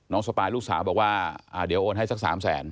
น้องสปายลูกสาวบอกว่าเดี๋ยวโอนให้สัก๓๐๐๐๐๐บาท